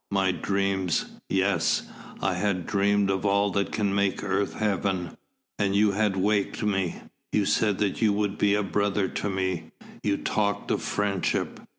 My dreams yes, I had dreamed of all that can make earth Heaven, and you had waked me. You said that you would be a brother to me you talked of friendship.